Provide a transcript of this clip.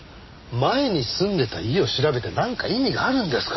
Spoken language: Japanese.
前に住んでいた家を調べてなんか意味があるんですか？